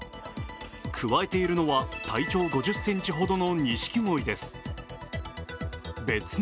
くわえているのは体長５０ｃｍほどのニシキゴイです。